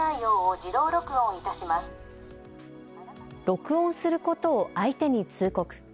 録音することを相手に通告。